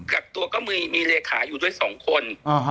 กักตัวก็มีเลขาอยู่ด้วย๒คน